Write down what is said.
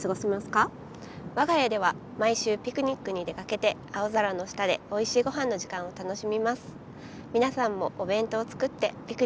我が家では毎週ピクニックに出かけて青空の下でおいしいごはんの時間を楽しみます。